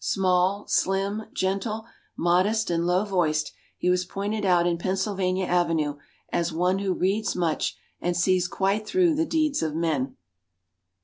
Small, slim, gentle, modest and low voiced, he was pointed out in Pennsylvania Avenue as "one who reads much and sees quite through the deeds of men."